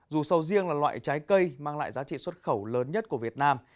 dù sầu riêng là loại trái cây mang lại giá trị xuất khẩu lớn nhất của việt nam